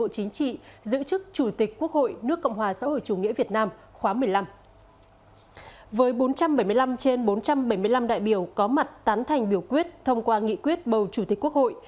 trên bốn trăm bảy mươi năm đại biểu có mặt tán thành biểu quyết thông qua nghị quyết bầu chủ tịch quốc hội